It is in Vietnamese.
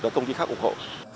và công ty khác ủng hộ